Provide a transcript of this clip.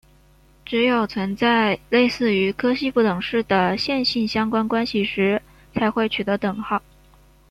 只有存在类似于柯西不等式的线性相关关系时才会取得等号。